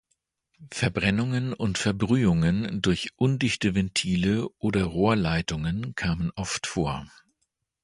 Verbrennungen und Verbrühungen durch undichte Ventile oder Rohrleitungen kamen oft vor.